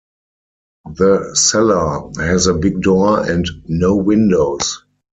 The cellar has a big door and no windows.